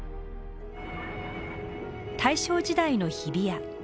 大正時代の日比谷。